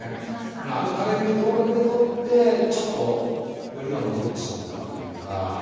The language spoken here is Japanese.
あの垂れ歩に同角で取ってちょっとヨリが戻ってしまったかというか。